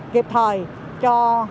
kịp thời cho